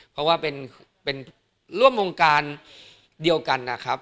เพราะว่าเป็นร่วมวงการเดียวกันนะครับ